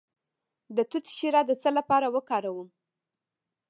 د توت شیره د څه لپاره وکاروم؟